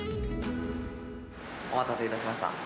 お待たせいたしました。